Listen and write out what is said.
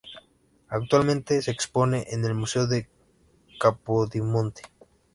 Actualmente se expone en el Museo de Capodimonte.